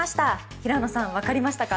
平野さんわかりましたか？